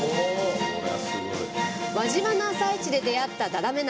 輪島の朝市で出会ったダダメ鍋。